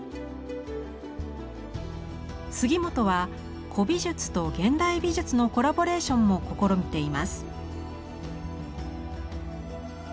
杉本は古美術と現代美術のコラボレーションも試みています。